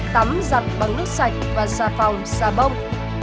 tắm giặt bằng nước sạch và xà phòng xà bông